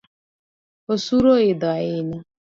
Osuru oidhi ahinya